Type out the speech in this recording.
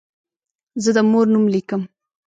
زه د مور نوم لیکم.